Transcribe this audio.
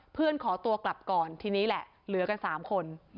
เพื่อนขอตัวกลับก่อนทีนี้แหละเหลือกันสามคน